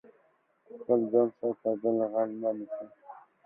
خپل ځان ساته، بل غل مه نيسه.